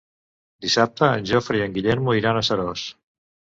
Dissabte en Jofre i en Guillem iran a Seròs.